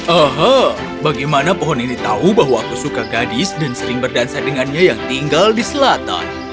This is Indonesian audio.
aha bagaimana pohon ini tahu bahwa aku suka gadis dan sering berdansa dengannya yang tinggal di selatan